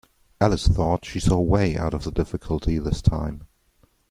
Alice thought she saw a way out of the difficulty this time.